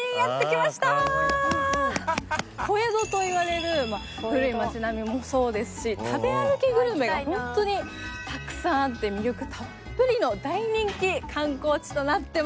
小江戸といわれる古い町並みもそうですし食べ歩きグルメがホントにたくさんあって魅力たっぷりの大人気観光地となってます。